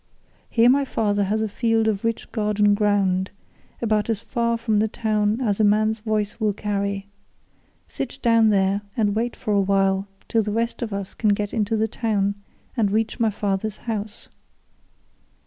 Here my father has a field of rich garden ground, about as far from the town as a man's voice will carry. Sit down there and wait for a while till the rest of us can get into the town and reach my father's house.